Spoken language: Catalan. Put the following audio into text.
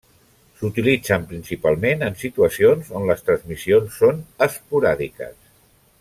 S'utilitzen principalment en situacions on les transmissions són esporàdiques.